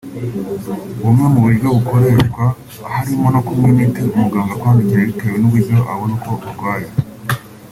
Bumwe mu buryo bukoreshwa harimo no kunywa imiti umuganga akwandikira bitewe n’uburyo abona uko urwaye